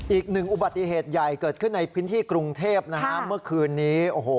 อีกหนึ่งอุบัติเหตุใหญ่เกิดขึ้นในพื้นที่กรุงเทพนะฮะเมื่อคืนนี้โอ้โห